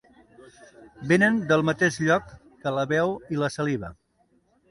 Vénen del mateix lloc que la veu i la saliva.